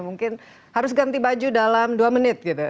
mungkin harus ganti baju dalam dua menit gitu